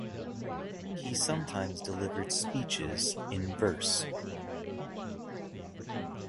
He sometimes delivered speeches in verse.